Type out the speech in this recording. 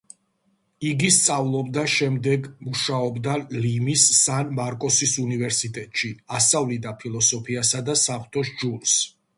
იგი სწავლობდა და შემდეგ მუშაობდა ლიმის სან–მარკოსის უნივერსიტეტში, ასწავლიდა ფილოსოფიასა და საღვთო სჯულს.